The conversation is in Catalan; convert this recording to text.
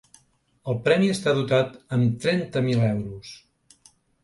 El premi està dotat amb trenta mil euros.